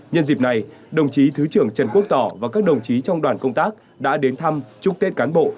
nhân dịp này đồng chí thứ trưởng trần quốc tỏ và các đồng chí trong đoàn công tác đã đến thăm chúc tết cán bộ